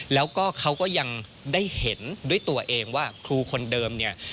แล้วก็เขาก็ยังได้เห็นด้วยตัวเองว่าครูคนเดิมเนี่ย